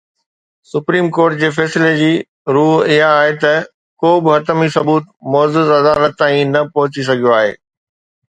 Supreme court جي فيصلي جي روح اها آهي ته ڪو به حتمي ثبوت معزز عدالت تائين نه پهچي سگهيو آهي.